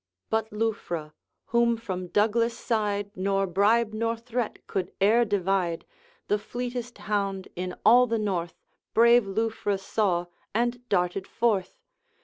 But Lufra, whom from Douglas' side Nor bribe nor threat could e'er divide, The fleetest hound in all the North, Brave Lufra saw, and darted forth.